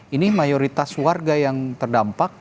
ini mayoritas warga yang terdampak